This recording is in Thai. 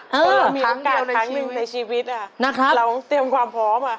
มีโอกาสครั้งหนึ่งในชีวิตเราเตรียมความพร้อม